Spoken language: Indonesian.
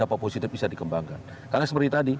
apa positif bisa dikembangkan karena seperti tadi